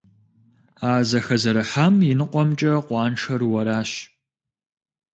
А зэхэзэрыхьам и ныкъуэмкӀэ къуаншэр уэращ.